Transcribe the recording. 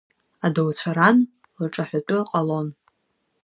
Адауцәа ран лҿаҳәатәы ҟалон.